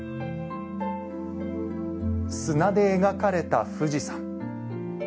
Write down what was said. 砂で描かれた富士山。